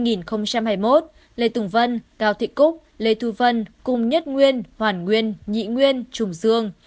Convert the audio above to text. từ năm hai nghìn một mươi chín đến hai nghìn hai mươi một lê tùng vân cao thị cúc lê thu vân cùng nhất nguyên hoàn nguyên nhị nguyên tùng dương